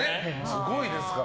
すごいですから。